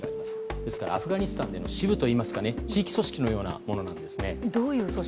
ですからアフガニスタンでの支部といいますか地域組織のようなものです。